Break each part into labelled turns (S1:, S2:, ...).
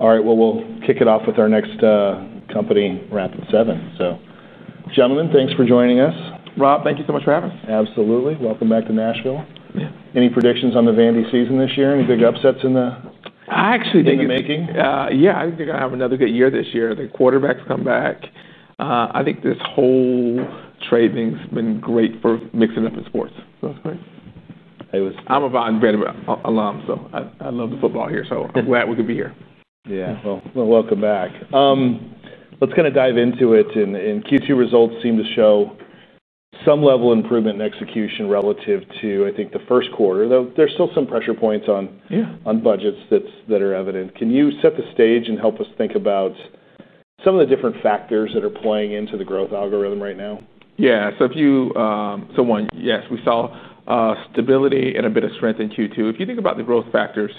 S1: All right, we'll kick it off with our next company, Rapid7. Gentlemen, thanks for joining us.
S2: Rob, thank you so much for having us.
S1: Absolutely. Welcome back to Nashville. Any predictions on the Vandy season this year? Any big upsets in the, I actually think, making?
S2: Yeah, I think they're going to have another good year this year. Their quarterbacks come back. I think this whole trade thing's been great for mixing up in sports.
S1: That's great.
S2: I'm a Von Brandenburg alum, so I love the football here. I'm glad we could be here.
S1: Yeah, welcome back. Let's kind of dive into it. Q2 results seem to show some level of improvement in execution relative to, I think, the first quarter, though there's still some pressure points on budgets that are evident. Can you set the stage and help us think about some of the different factors that are playing into the growth algorithm right now?
S2: Yeah, so if you, so one, yes, we saw stability and a bit of strength in Q2. If you think about the growth factors,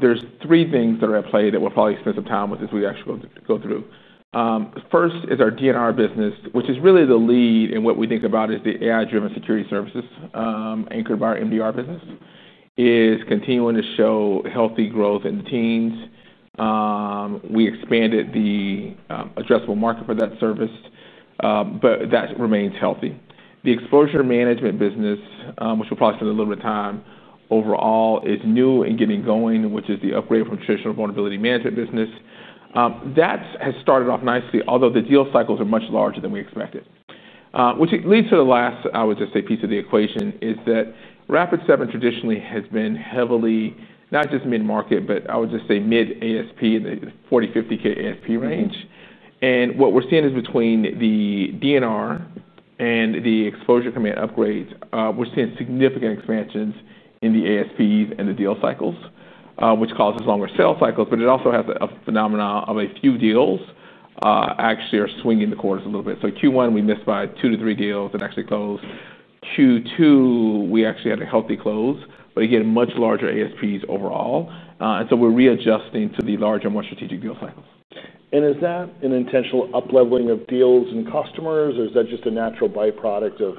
S2: there's three things that are at play that we'll probably spend some time with as we actually go through. The first is our DNR business, which is really the lead in what we think about as the AI-driven security services, anchored by our MDR business. It is continuing to show healthy growth in the teams. We expanded the addressable market for that service, but that remains healthy. The exposure management business, which we'll probably spend a little bit of time overall, is new and getting going, which is the upgrade from the traditional vulnerability management business. That has started off nicely, although the deal cycles are much larger than we expected, which leads to the last, I would just say, piece of the equation is that Rapid7 traditionally has been heavily, not just mid-market, but I would just say mid-ASP, in the $40,000-$50,000 ASP range. What we're seeing is between the DNR and the exposure commit upgrades, we're seeing significant expansions in the ASPs and the deal cycles, which causes longer sale cycles, but it also has a phenomenon of a few deals actually are swinging the corners a little bit. Q1, we missed by two to three deals and actually closed. Q2, we actually had a healthy close, but again, much larger ASPs overall, and so we're readjusting to the larger, more strategic deal cycles.
S1: Is that an intentional up-leveling of deals and customers, or is that just a natural byproduct of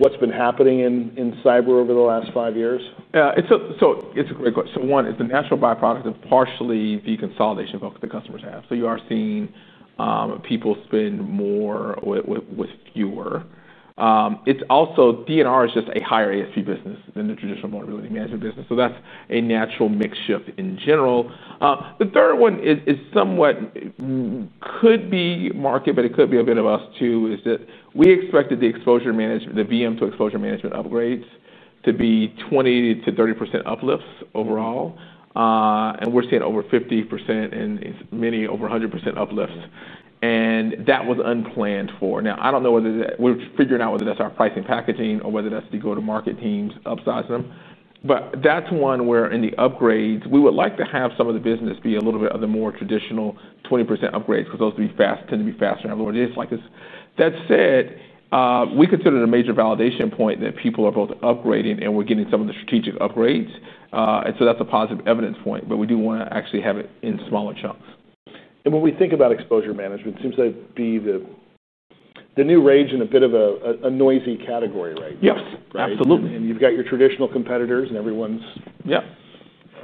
S1: what's been happening in cyber over the last five years?
S2: Yeah, it's a great question. One, it's a natural byproduct of partially the consolidation the customers have. You are seeing people spend more with fewer. It's also, Detection and Response is just a higher ASP business than the traditional Vulnerability Management business, so that's a natural mix shift in general. The third one is somewhat, could be market, but it could be a bit of us too, is that we expected the exposure management, the Vulnerability Management to exposure management upgrades to be 20% to 30% uplifts overall, and we're seeing over 50% and many over 100% uplifts. That was unplanned for. Now, I don't know whether that, we're figuring out whether that's our pricing packaging or whether that's the go-to-market teams upsizing them. That's one where, in the upgrades, we would like to have some of the business be a little bit of the more traditional 20% upgrades because those tend to be faster and have lower data. That said, we considered a major validation point that people are both upgrading and we're getting some of the strategic upgrades, and that's a positive evidence point, but we do want to actually have it in smaller chunks.
S1: When we think about exposure management, it seems like it'd be the new rage in a bit of a noisy category, right?
S2: Yes, absolutely.
S1: You have your traditional competitors and everyone's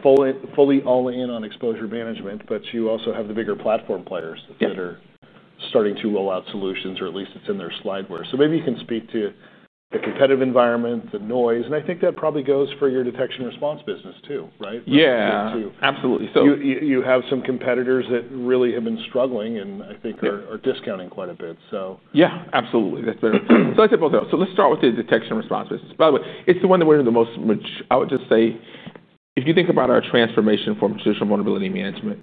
S1: fully all in on exposure management, but you also have the bigger platform players that are starting to roll out solutions, or at least it's in their slideware. Maybe you can speak to the competitive environment, the noise, and I think that probably goes for your detection response business too, right?
S2: Yeah, absolutely.
S1: You have some competitors that really have been struggling, and I think are discounting quite a bit.
S2: Yeah, absolutely. I'd say both of those. Let's start with the detection response. By the way, it's the one that we're in the most. If you think about our transformation from traditional vulnerability management,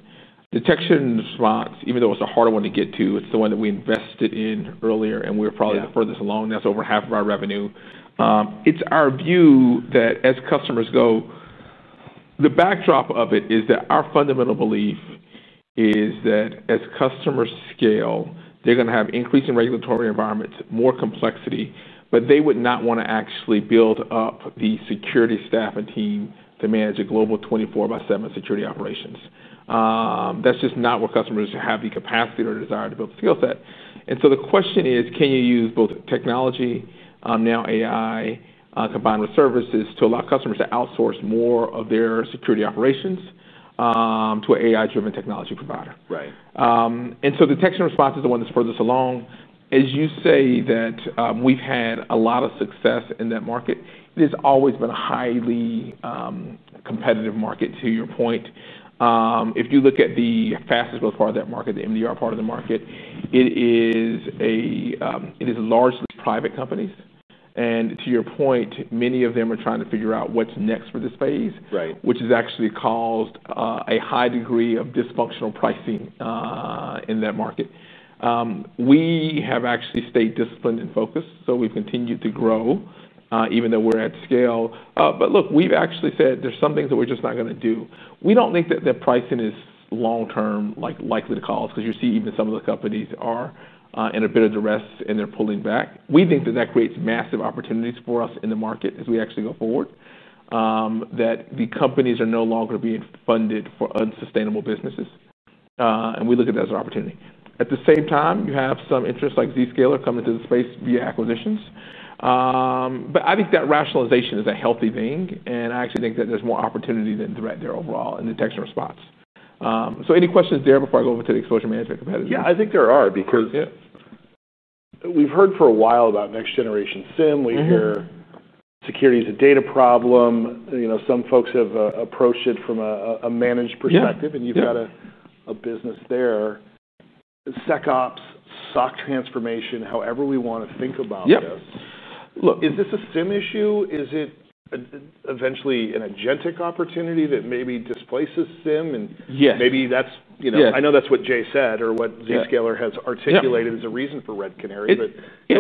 S2: detection response, even though it's a harder one to get to, it's the one that we invested in earlier, and we're probably the furthest along. That's over half of our revenue. It's our view that as customers go, the backdrop of it is that our fundamental belief is that as customers scale, they're going to have increasing regulatory environments, more complexity, but they would not want to actually build up the security staff and team to manage a global 24 by 7 Security Operations Center. That's just not where customers have the capacity or desire to build the skill set. The question is, can you use both technology, now AI, combined with services to allow customers to outsource more of their security operations to an AI-driven technology provider?
S1: Right.
S2: Detection and response is the one that's furthest along. As you say, we've had a lot of success in that market. It has always been a highly competitive market to your point. If you look at the fastest growth part of that market, the MDR part of the market, it is largely private companies. To your point, many of them are trying to figure out what's next for this phase, which has actually caused a high degree of dysfunctional pricing in that market. We have actually stayed disciplined and focused, so we've continued to grow, even though we're at scale. Look, we've actually said there's some things that we're just not going to do. We don't think that the pricing is long-term, likely to cause because you see even some of the companies are in a bit of duress and they're pulling back. We think that creates massive opportunities for us in the market as we actually go forward, that the companies are no longer being funded for unsustainable businesses. We look at that as an opportunity. At the same time, you have some interests like Zscaler coming to the space via acquisitions. I think that rationalization is a healthy thing, and I actually think that there's more opportunity than threat there overall in detection and response. Any questions there before I go over to the exposure management competitors?
S1: Yeah, I think there are because we've heard for a while about next-generation SIEM. We hear security is a data problem. Some folks have approached it from a managed perspective, and you've got a business there. SecOps, SOC transformation, however we want to think about this. Is this a SIEM issue? Is it eventually an agentic opportunity that maybe displaces SIEM? Maybe that's, you know, I know that's what Jay said or what Zscaler has articulated as a reason for Red Canary, but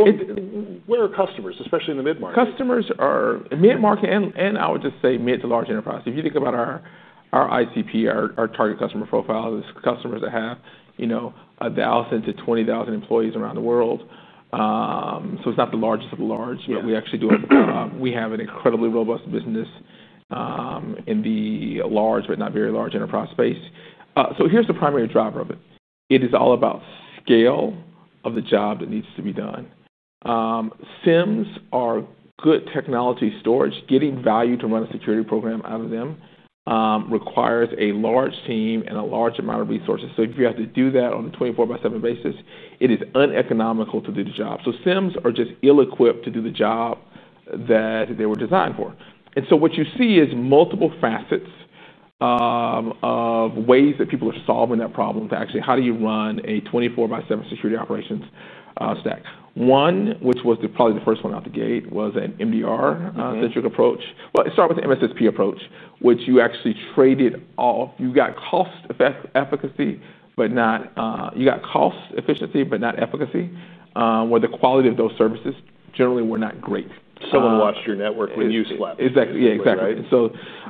S1: where are customers, especially in the mid-market?
S2: Customers are mid-market and I would just say mid-to-large enterprise. If you think about our ICP, our target customer profile, the customers that have, you know, dialed into 20,000 employees around the world. It's not the largest of the large, but we actually do, we have an incredibly robust business in the large but not very large enterprise space. Here's the primary driver of it. It is all about scale of the job that needs to be done. SIEMs are good technology storage. Getting value to run a security program out of them requires a large team and a large amount of resources. If you have to do that on a 24 by 7 basis, it is uneconomical to do the job. SIEMs are just ill-equipped to do the job that they were designed for. What you see is multiple facets of ways that people are solving that problem to actually, how do you run a 24 by 7 security operations stack? One, which was probably the first one out the gate, was an MDR-centric approach. Let's start with the MSSP approach, which you actually traded off. You got cost efficiency, but not efficacy, where the quality of those services generally were not great.
S1: Someone lost your network when you slept.
S2: Exactly. Yeah, exactly.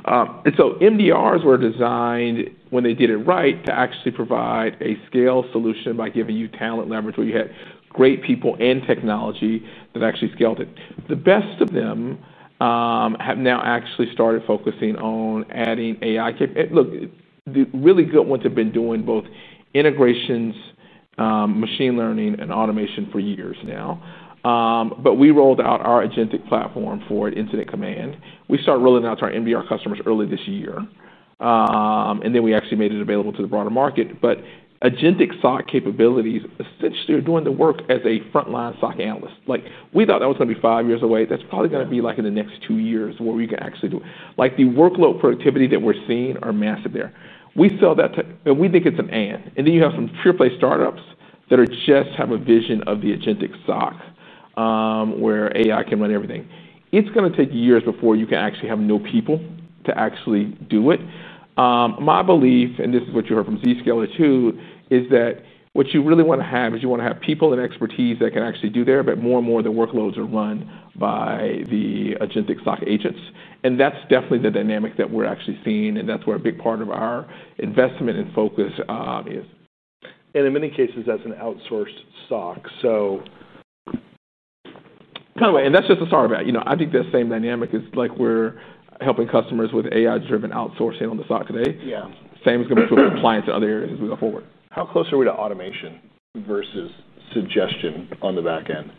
S2: MDRs were designed, when they did it right, to actually provide a scale solution by giving you talent leverage where you had great people and technology that actually scaled it. The best of them have now actually started focusing on adding AI kit. Look, the really good ones have been doing both integrations, machine learning, and automation for years now. We rolled out our agentic platform for an incident command. We started rolling out to our MDR customers early this year, and then we actually made it available to the broader market. Agentic SOC capabilities essentially are doing the work as a frontline SOC analyst. We thought that was going to be five years away. That's probably going to be in the next two years where we can actually do it. The workload productivity that we're seeing is massive there. We sell that too, and we think it's an add. You have some AAA startups that just have a vision of the agentic SOC, where AI can run everything. It's going to take years before you can actually have no people to actually do it. My belief, and this is what you heard from Zscaler too, is that what you really want to have is you want to have people and expertise that can actually do their work, but more and more of the workloads are run by the agentic SOC agents. That's definitely the dynamic that we're actually seeing, and that's where a big part of our investment and focus is.
S1: In many cases, that's an outsourced Security Operations Center, so.
S2: That's just the start of that. I think that same dynamic is like we're helping customers with AI-driven outsourcing on the SOC today.
S1: Yeah.
S2: Same is going to be applied to other areas as we go forward.
S1: How close are we to automation versus suggestion on the back end?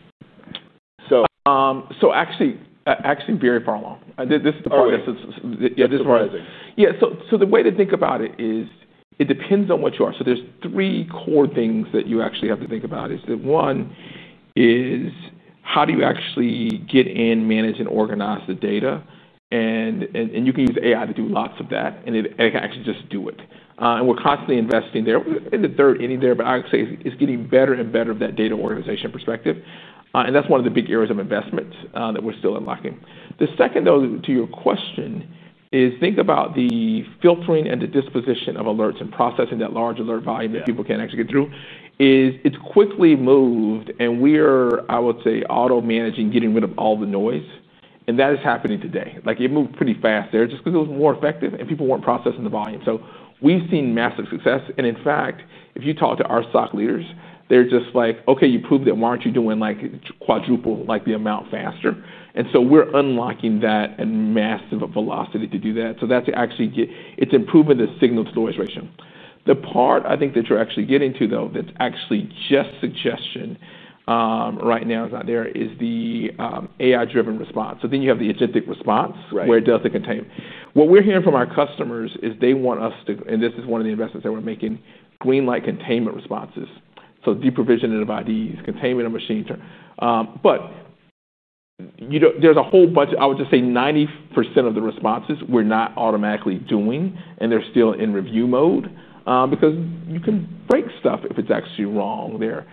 S2: Actually very far along. This is the part that's, yeah, this is where, yeah, the way to think about it is it depends on what you are. There are three core things that you have to think about. One is how do you get in, manage, and organize the data. You can use AI to do lots of that, and it can actually just do it. We're constantly investing there. The third in there, I would say it's getting better and better from that data organization perspective. That's one of the big areas of investment that we're still unlocking. The second, to your question, is to think about the filtering and the disposition of alerts and processing that large alert volume that people can't get through. It's quickly moved, and we are, I would say, auto-managing, getting rid of all the noise. That is happening today. It moved pretty fast there just because it was more effective, and people weren't processing the volume. We've seen massive success. In fact, if you talk to our SOC leaders, they're just like, okay, you proved it. Why aren't you doing like quadruple the amount faster? We're unlocking that and massive velocity to do that. That's actually improving the signal-to-noise ratio. The part I think that you're getting to, though, that's just suggestion right now, is not there, is the AI-driven response. Then you have the agentic response where it does the containment. What we're hearing from our customers is they want us to, and this is one of the investments that we're making, green light containment responses. So deprovisioning of IDs, containment of machines. You know, there's a whole bunch, I would just say 90% of the responses we're not automatically doing, and they're still in review mode, because you can break stuff if it's wrong there.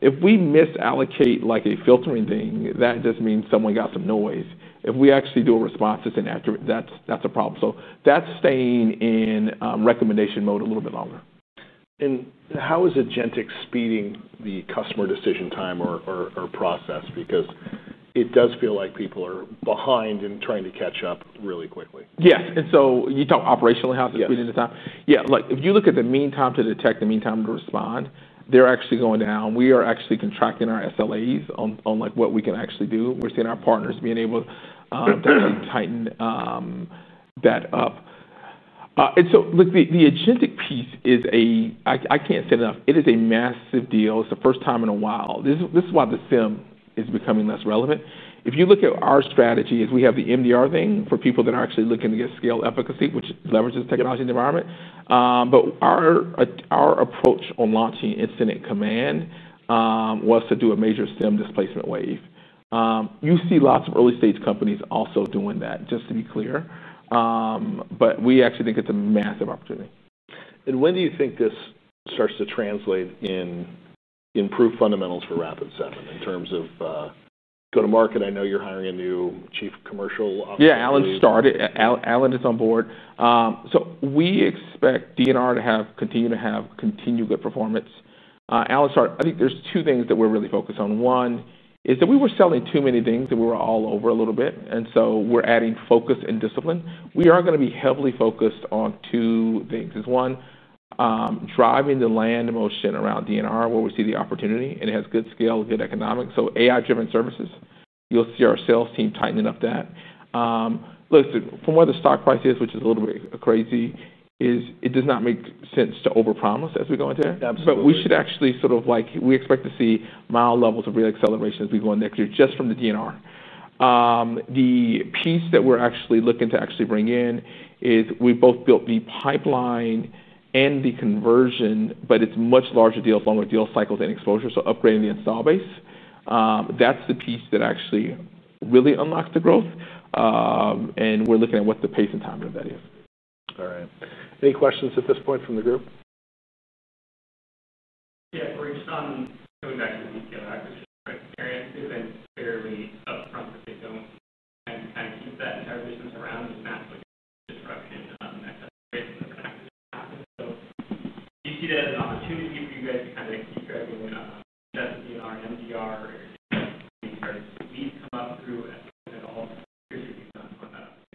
S2: If we misallocate like a filtering thing, that just means someone got some noise. If we do a response that's inaccurate, that's a problem. That's staying in recommendation mode a little bit longer.
S1: How is agentic speeding the customer decision time or process? It does feel like people are behind and trying to catch up really quickly.
S2: Yes, you talk operationally how the speed of the time. Yeah, like if you look at the mean time to detect, the mean time to respond, they're actually going down. We are actually contracting our SLAs on what we can actually do. We're seeing our partners being able to tighten that up. Look, the agentic piece is a, I can't say enough, it is a massive deal. It's the first time in a while. This is why the SIEM is becoming less relevant. If you look at our strategy, we have the MDR thing for people that are actually looking to get scale efficacy, which leverages technology in the environment. Our approach on launching incident command was to do a major SIEM displacement wave. You see lots of early stage companies also doing that, just to be clear. We actually think it's a massive opportunity.
S1: When do you think this starts to translate in improved fundamentals for Rapid7 in terms of go to market? I know you're hiring a new Chief Commercial Officer.
S2: Yeah, Alan started. Alan is on board. We expect DNR to have continued good performance. Alan started. I think there's two things that we're really focused on. One is that we were selling too many things and we were all over a little bit. We're adding focus and discipline. We are going to be heavily focused on two things. One, driving the land motion around DNR where we see the opportunity and it has good scale, good economics. AI-driven services, you'll see our sales team tightening up that. Listen, from where the stock price is, which is a little bit crazy, it does not make sense to overpromise as we go into it.
S1: Absolutely.
S2: We expect to see mild levels of real acceleration as we go in next year, just from the DNR. The piece that we're actually looking to bring in is we've both built the pipeline and the conversion, but it's a much larger deal with longer deal cycles and exposure. Upgrading the install base, that's the piece that really unlocks the growth, and we're looking at what the pace and time of that is.
S1: All right. Any questions at this point from the group?
S2: Yeah.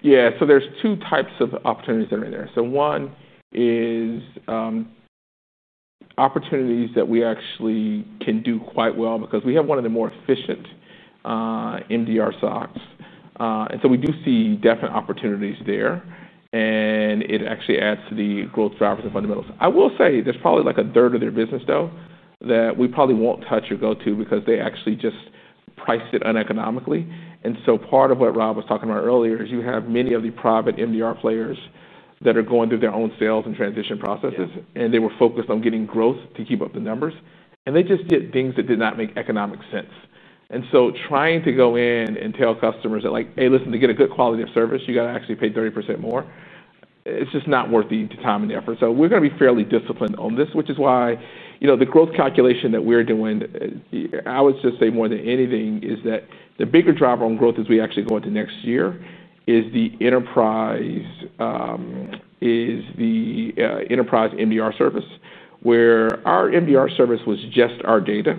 S2: Yeah, so there's two types of opportunities that are in there. One is opportunities that we actually can do quite well because we have one of the more efficient MDR SOCs. We do see definite opportunities there, and it actually adds to the growth drivers and fundamentals. I will say there's probably like a third of their business, though, that we probably won't touch or go to because they actually just priced it uneconomically. Part of what Rob was talking about earlier is you have many of the private MDR players that are going through their own sales and transition processes, and they were focused on getting growth to keep up the numbers. They just did things that did not make economic sense. Trying to go in and tell customers that, like, hey, listen, to get a good quality of service, you got to actually pay 30% more, it's just not worth the time and the effort. We're going to be fairly disciplined on this, which is why the growth calculation that we're doing, I would just say more than anything, is that the bigger driver on growth as we actually go into next year is the enterprise, is the enterprise MDR service, where our MDR service was just our data,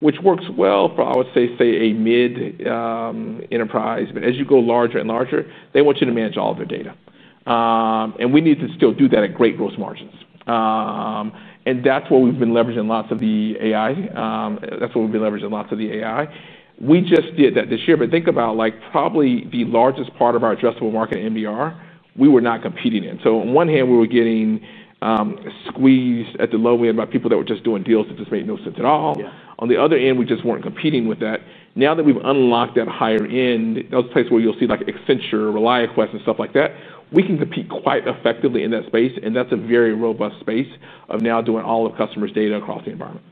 S2: which works well for, I would say, a mid-enterprise. As you go larger and larger, they want you to manage all of their data, and we need to still do that at great gross margins. That's what we've been leveraging lots of the AI. We just did that this year, but think about like probably the largest part of our addressable market MDR, we were not competing in. On one hand, we were getting squeezed at the low end by people that were just doing deals that just made no sense at all. On the other end, we just weren't competing with that. Now that we've unlocked that higher end, those places where you'll see like Accenture, ReliaQuest, and stuff like that, we can compete quite effectively in that space. That's a very robust space of now doing all of customers' data across the environment.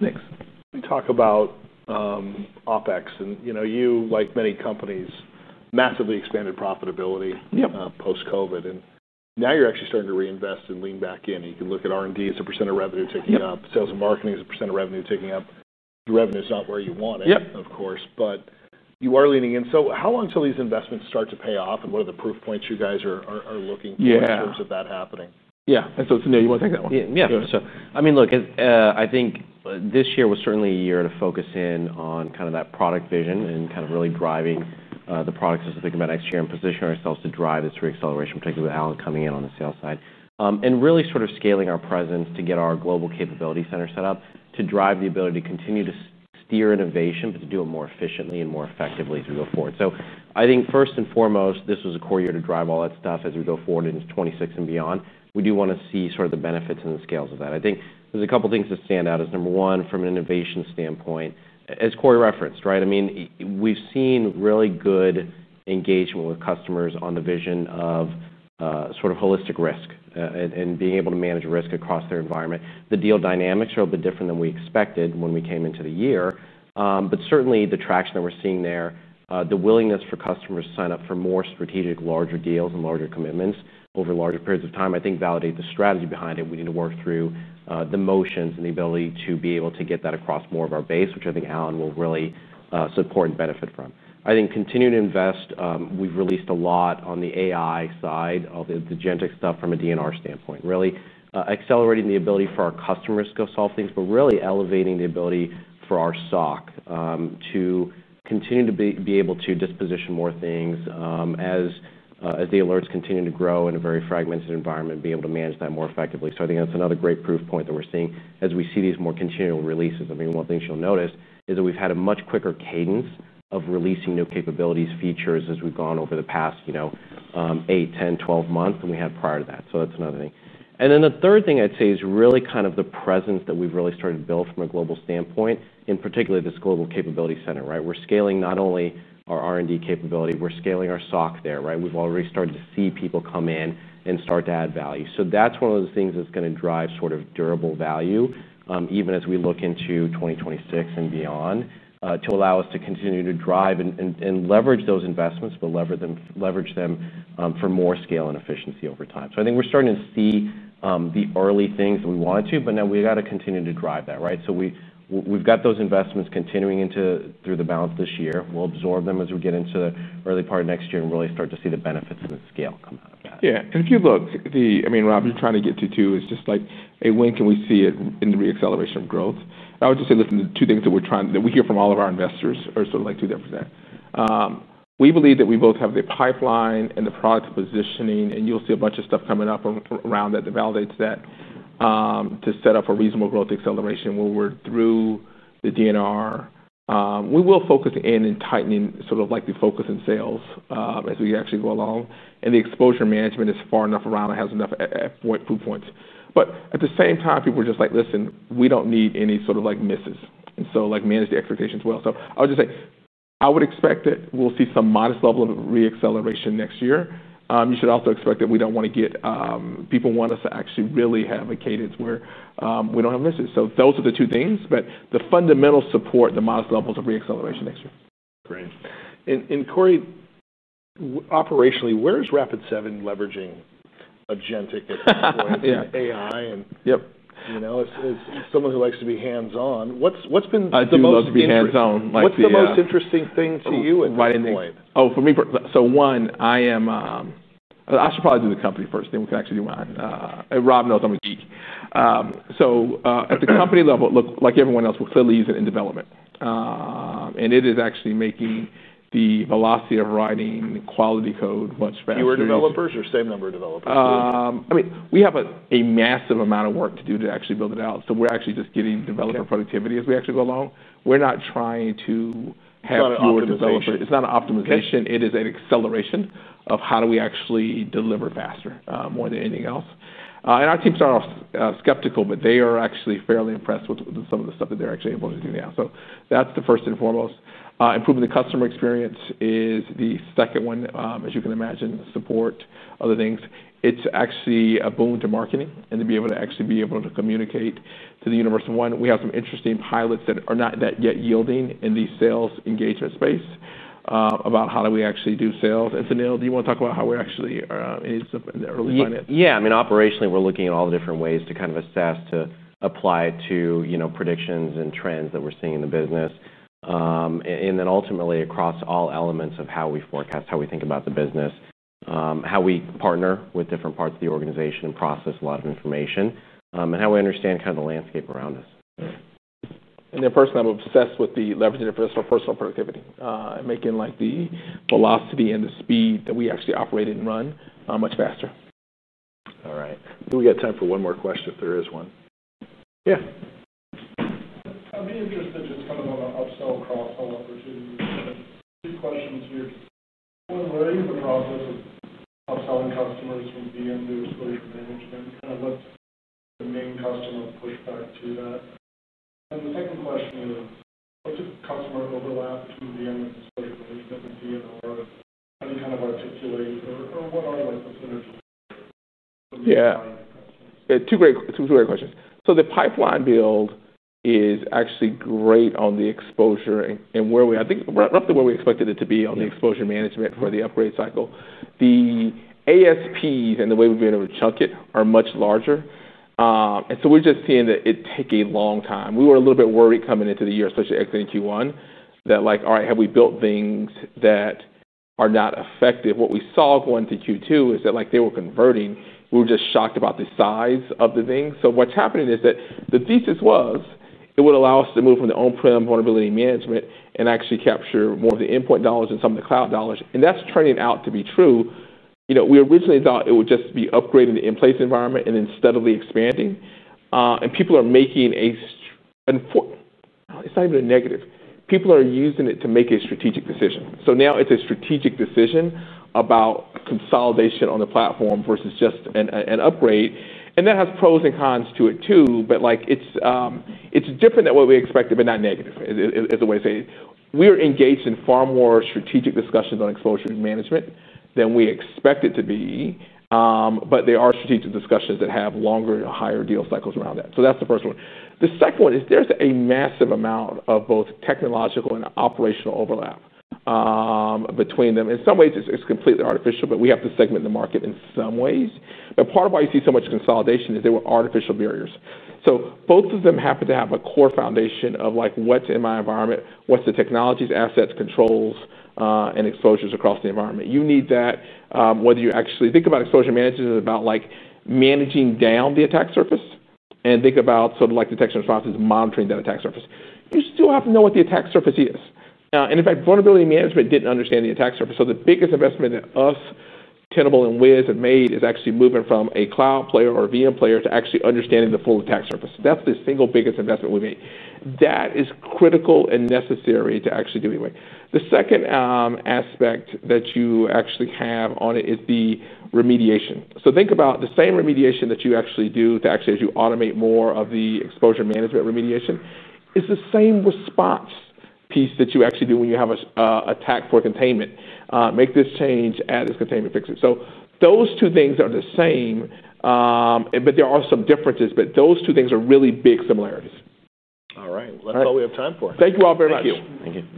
S1: Thanks. Let me talk about OpEx. You, like many companies, massively expanded profitability post-COVID. Now you're actually starting to reinvest and lean back in. You can look at R&D as a percent of revenue taking up, sales and marketing as a percent of revenue taking up. The revenue is not where you want it, of course, but you are leaning in. How long till these investments start to pay off? What are the proof points you guys are looking for in terms of that happening?
S2: Yeah, Sunil, you want to take that one?
S3: Yeah, for sure. I mean, look, I think this year was certainly a year to focus in on kind of that product vision and really driving the products as we think about next year and position ourselves to drive this reacceleration, particularly with Alan coming in on the sales side. Really sort of scaling our presence to get our global capability center set up to drive the ability to continue to steer innovation, but to do it more efficiently and more effectively as we go forward. I think first and foremost, this was a core year to drive all that stuff as we go forward into 2026 and beyond. We do want to see the benefits and the scales of that. I think there's a couple of things that stand out as number one, from an innovation standpoint, as Corey referenced, right? I mean, we've seen really good engagement with customers on the vision of holistic risk and being able to manage risk across their environment. The deal dynamics are a bit different than we expected when we came into the year, but certainly the traction that we're seeing there, the willingness for customers to sign up for more strategic, larger deals and larger commitments over larger periods of time, I think, validates the strategy behind it. We need to work through the motions and the ability to be able to get that across more of our base, which I think Alan will really support and benefit from. I think continuing to invest, we've released a lot on the AI side of the agentic SOC from a Detection and Response standpoint, really accelerating the ability for our customers to go solve things, but really elevating the ability for our SOC to continue to be able to disposition more things as the alerts continue to grow in a very fragmented environment, be able to manage that more effectively. I think that's another great proof point that we're seeing as we see these more continual releases. One of the things you'll notice is that we've had a much quicker cadence of releasing new capabilities, features, as we've gone over the past, you know, 8, 10, 12 months than we had prior to that. That's another thing. The third thing I'd say is really kind of the presence that we've really started to build from a global standpoint, in particular this global capability center, right? We're scaling not only our R&D capability, we're scaling our SOC there, right? We've already started to see people come in and start to add value. That is one of those things that is going to drive sort of durable value, even as we look into 2026 and beyond, to allow us to continue to drive and leverage those investments, but leverage them for more scale and efficiency over time. I think we're starting to see the early things that we wanted to, but now we've got to continue to drive that, right? We've got those investments continuing through the balance of this year. We'll absorb them as we get into the early part of next year and really start to see the benefits and the scale coming back.
S2: Yeah, because if you look, Rob, what you're trying to get to is just like a wink and we see it in the reacceleration of growth. I would just say, listen, the two things that we hear from all of our investors are sort of like two different things. We believe that we both have the pipeline and the product positioning, and you'll see a bunch of stuff coming up around that that validates that, to set up a reasonable growth acceleration where we're through the Detection and Response. We will focus in and tighten in sort of like the focus in sales as we actually go along. The exposure management is far enough around and has enough foot points. At the same time, people are just like, listen, we don't need any sort of misses. Manage the expectations well. I would just say, I would expect that we'll see some modest level of reacceleration next year. You should also expect that we don't want to get, people want us to actually really have a cadence where we don't have misses. Those are the two things, but the fundamental support, the modest levels of reacceleration next year.
S1: Great. Corey, operationally, where's Rapid7 leveraging agentic at this point? Yeah, AI and, you know, it's someone who likes to be hands-on. What's been?
S2: I'd love to be hands-on.
S1: What's the most interesting thing to you at this point?
S2: For me, I should probably do the company first, then we can actually do mine. Rob knows I'm a geek. At the company level, like everyone else, we're clearly using it in development, and it is actually making the velocity of writing quality code much faster.
S1: Fewer developers or same number of developers?
S2: I mean, we have a massive amount of work to do to actually build it out. We're actually just getting developer productivity as we actually go along. We're not trying to have fewer developers. It's not an optimization. It is an acceleration of how do we actually deliver faster, more than anything else. Our team started off skeptical, but they are actually fairly impressed with some of the stuff that they're actually able to do now. That's the first and foremost. Improving the customer experience is the second one. As you can imagine, support, other things. It's actually a boon to marketing and to be able to actually be able to communicate to the universe. One, we have some interesting pilots that are not yet yielding in the sales engagement space, about how do we actually do sales. Sunil, do you want to talk about how we're actually, in the early finance?
S3: Yeah, I mean, operationally, we're looking at all the different ways to kind of assess, to apply to predictions and trends that we're seeing in the business. Ultimately, across all elements of how we forecast, how we think about the business, how we partner with different parts of the organization and process a lot of information, and how we understand kind of the landscape around us.
S2: Personally, I'm obsessed with leveraging it for personal productivity, and making the velocity and the speed that we actually operate and run much faster.
S1: All right, we got time for one more question if there is one.
S2: Yeah.
S4: I've been getting suggestions on upsell costs and opportunities. The question is, you're one way in the process of upselling customers from DMUs to management. I've looked at the main customer's price tags through that. The second question is, which customer overlap DMUs displays the difference DNR run? Any kind of articulation or one on like the financial?
S2: Yeah, two great questions. The pipeline build is actually great on the exposure and roughly where we expected it to be on the exposure management for the upgrade cycle. The ASPs and the way we've been able to chunk it are much larger, and we're just seeing that it takes a long time. We were a little bit worried coming into the year, especially exiting Q1, that like, all right, have we built things that are not effective? What we saw going through Q2 is that they were converting. We were just shocked about the size of the things. What's happening is that the thesis was it would allow us to move from the on-prem vulnerability management and actually capture more of the endpoint dollars and some of the cloud dollars. That's turning out to be true. We originally thought it would just be upgrading the in-place environment and then steadily expanding, and people are making a, and for, it's not even a negative. People are using it to make a strategic decision. Now it's a strategic decision about consolidation on the platform versus just an upgrade. That has pros and cons to it too, but it's different than what we expected, but not negative. It's a way to say we're engaged in far more strategic discussions on exposure and management than we expected to be, but there are strategic discussions that have longer and higher deal cycles around that. The second one is there's a massive amount of both technological and operational overlap between them. In some ways, it's completely artificial, but we have to segment the market in some ways. Part of why you see so much consolidation is there were artificial barriers. Both of them happen to have a core foundation of what's in my environment, what's the technologies, assets, controls, and exposures across the environment. You need that, whether you actually think about exposure management, it's about managing down the attack surface and think about detection responses and monitoring that attack surface. You still have to know what the attack surface is. In fact, vulnerability management didn't understand the attack surface. The biggest investment that us, Tenable, and Wiz have made is actually moving from a cloud player or a VM player to actually understanding the full attack surface. That's the single biggest investment we made. That is critical and necessary to actually do anyway. The second aspect that you actually have on it is the remediation. Think about the same remediation that you actually do to actually automate more of the exposure management remediation. It is the same response piece that you actually do when you have an attack for containment. Make this change, add this containment, fix it. Those two things are the same, but there are some differences. Those two things are really big similarities.
S1: All right, that's all we have time for.
S2: Thank you all very much.
S1: Thank you.